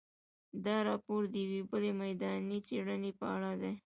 دا راپور د یوې بلې میداني څېړنې په اړه دی.